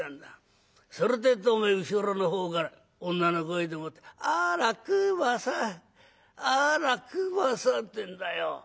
するてえとおめえ後ろの方から女の声でもって『あら熊さん。あら熊さん』ってんだよ。